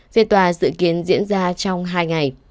viên tòa dự kiến diễn ra trong hai ngày